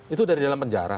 itu dari dalam penjara